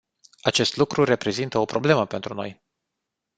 Acest lucru reprezintă o problemă pentru noi.